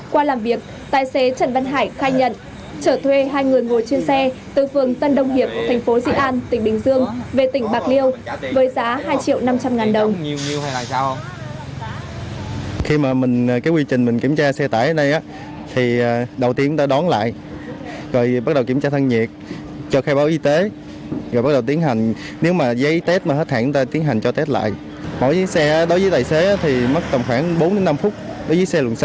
qua làm việc tài xế trần văn hải khai nhận trở thuê hai người ngồi trên xe từ phương tân đông hiệp thành phố dị an tỉnh bình dương về tỉnh bạc liêu với giá hai triệu năm trăm linh ngàn đồng